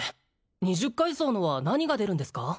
二十階層のは何が出るんですか？